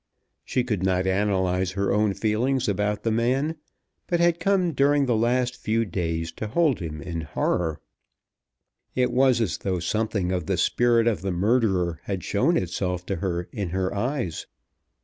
She could not analyze her own feelings about the man, but had come during the last few days to hold him in horror. It was as though something of the spirit of the murderer had shown itself to her in her eyes.